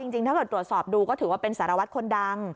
จริงถ้าเกิดตรวจสอบดูก็ถือว่าเป็นสารวัตรคนดัง